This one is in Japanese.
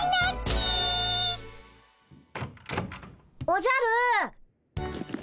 おじゃる！